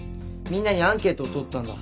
みんなにアンケートをとったんだ。